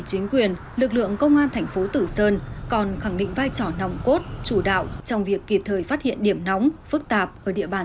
chấn áp tội phạm công an thành phố tử sơn đã tham mưu tích cực cho cấp ủy